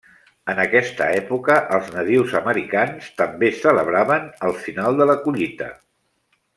En aquesta època, els nadius americans també celebraven el final de la collita.